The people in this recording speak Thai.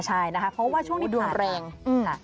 ใช่นะคะเพราะว่าช่วงที่ผ่านมา